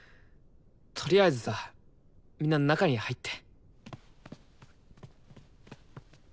とりあえずさみんな中に入って。